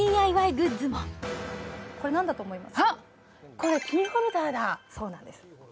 これキーホルダーだそうなんです